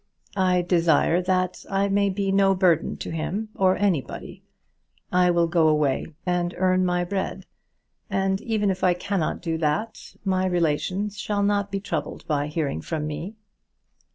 "I desire that I may be no burden to him or anybody. I will go away and earn my bread; and even if I cannot do that, my relations shall not be troubled by hearing from me."